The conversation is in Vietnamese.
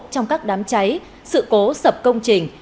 trong các đám cháy sự cố sập công trình